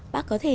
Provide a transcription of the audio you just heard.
bác có thể